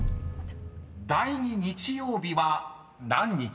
［第２日曜日は何日？］